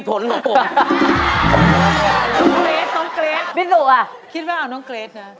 ปิดหนูแหละคิดว่าเอาน้องเกรทนะ